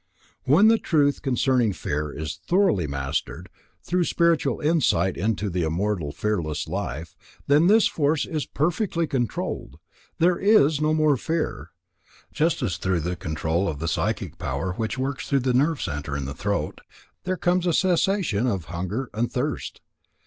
When the truth concerning fear is thoroughly mastered, through spiritual insight into the immortal, fearless life, then this force is perfectly controlled; there is no more fear, just as, through the control of the psychic power which works through the nerve centre in the throat, there comes a cessation of "hunger and thirst."